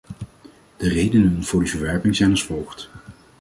De redenen voor die verwerping zijn als volgt.